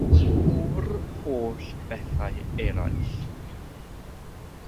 O'r holl bethau eraill.